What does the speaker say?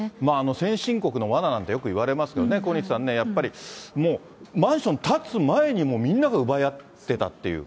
先進国のわななんて、よく言われますよね、小西さんね、やっぱり、もうマンション建つ前にもうみんなが奪い合ってたっていう。